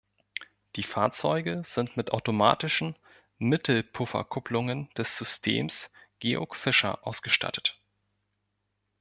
Die Fahrzeuge sind mit automatischen Mittelpufferkupplungen des Systems Georg Fischer ausgestattet.